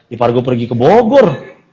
ipar gua pergi ke bogor